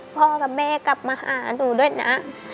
พ่อกับแม่กลับมาหาหนูด้วยนะ